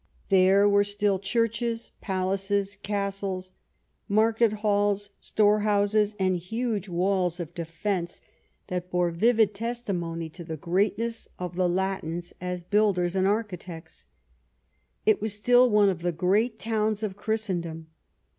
There were still churches, palaces, castles, market halls, storehouses, and huge walls of defence that bore vivid testimony to the greatness of the Latins as builders and architects. It was still one of the great towns of Christendom.